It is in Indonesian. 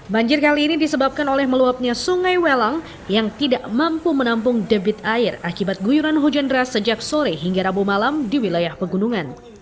banjir kali ini disebabkan oleh meluapnya sungai welang yang tidak mampu menampung debit air akibat guyuran hujan deras sejak sore hingga rabu malam di wilayah pegunungan